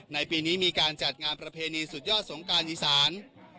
ในปีนี้มีการจัดงานประเพณีสุดยอดสงการอีสาน